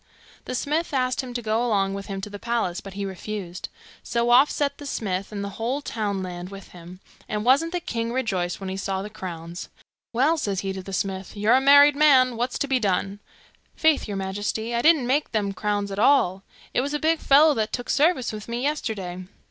The smith asked him to go along with him to the palace, but he refused; so off set the smith, and the whole townland with him; and wasn't the king rejoiced when he saw the crowns! 'Well,' says he to the smith, 'you're a married man. What's to be done?' 'Faith, your majesty, I didn't make them crowns at all. It was a big fellow that took service with me yesterday.